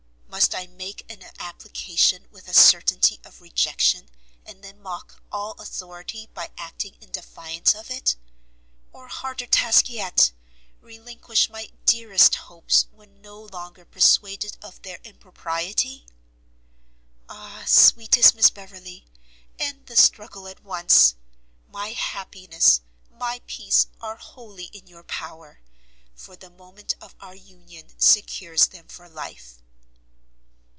Must I make an application with a certainty of rejection, and then mock all authority by acting in defiance of it? Or, harder task yet! relinquish my dearest hopes when no longer persuaded of their impropriety? Ah! sweetest Miss Beverley, end the struggle at once! My happiness, my peace, are wholly in your power, for the moment of our union secures them for life.